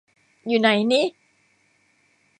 อยู่ไหนนิ